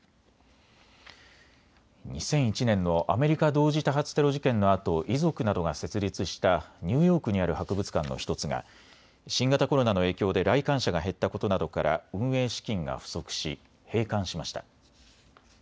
２００１年のアメリカ同時多発テロ事件のあと遺族などが設立したニューヨークにある博物館の１つが新型コロナの影響で来館者が減ったことなどから運営資金が不足し閉館しました。